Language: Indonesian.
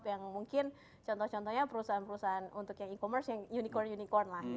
yang mungkin contoh contohnya perusahaan perusahaan untuk yang e commerce yang unicorn unicorn lah